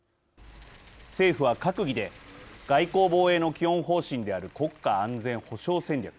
政府は閣議で外交、防衛の基本方針である国家安全保障戦略。